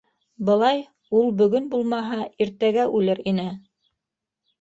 Былай ул бөгөн булмаһа иртәгә үлер ине!